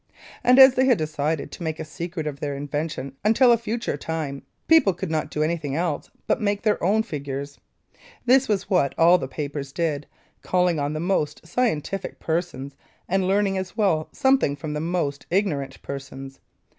And as they had decided to make a secret of their invention until a future time, people could not do anything else but make their own figures. This was what all the papers did, calling on the most scientific persons and learning as well something from the most ignorant persons.